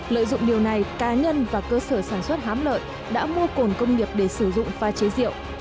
lợi dụng điều này cá nhân và cơ sở sản xuất hám lợi đã mua cồn công nghiệp để sử dụng pha chế rượu